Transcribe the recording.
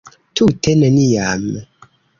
Tute neniam.